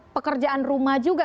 pekerjaan rumah juga